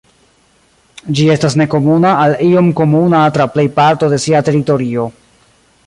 Ĝi estas nekomuna al iom komuna tra plej parto de sia teritorio.